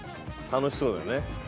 楽しそうだね。